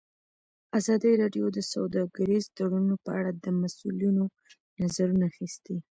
ازادي راډیو د سوداګریز تړونونه په اړه د مسؤلینو نظرونه اخیستي.